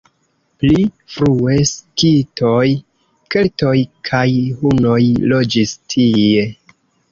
Pli frue skitoj, keltoj kaj hunoj loĝis tie.